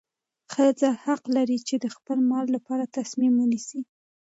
ښځه حق لري چې د خپل مال لپاره تصمیم ونیسي.